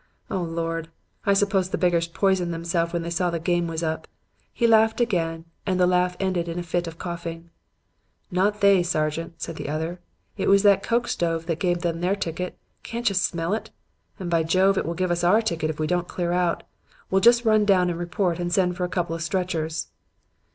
Oh! Lord! I suppose the beggars poisoned themselves when they saw the game was up.' He laughed again and the laugh ended in a fit of coughing. "'Not they, Sergeant,' said the other. 'It was that coke stove that gave them their ticket. Can't you smell it? And, by Jove, it will give us our ticket if we don't clear out. We'll just run down and report and send for a couple of stretchers.'